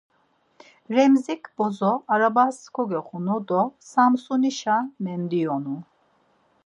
Remzik bozo arabas gyoxunu do Samsonişa mendiyonu.